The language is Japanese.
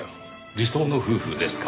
理想の夫婦ですか。